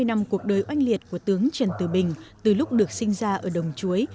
sáu mươi năm cuộc đời oanh liệt của tướng trần từ bình từ lúc được sinh ra ở đồng chuối